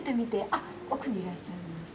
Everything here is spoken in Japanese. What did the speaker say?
あっ奥にいらっしゃる。